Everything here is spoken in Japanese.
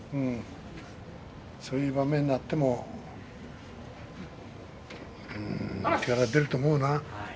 そういう場面になっても力が出ると思うな。